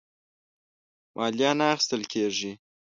مالیه نه اخیستله کیږي.